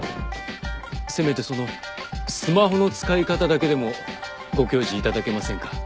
せめてその「すまほ」の使いかただけでもご教示いただけませんか？